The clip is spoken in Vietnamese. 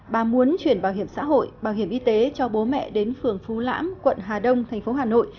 bà muốn chuyển bảo hiểm xã hội bảo hiểm y tế cho bố mẹ đến phường phú lãm quận hà đông thành phố hà nội